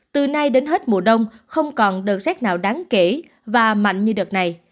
từ nay đến hết mùa đông không còn đợt rét nào đáng kể và mạnh như đợt này